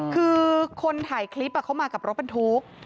คือคนถ่ายคลิปเขามากับรถบรรทุก